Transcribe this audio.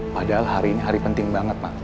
padahal hari ini hari penting banget pak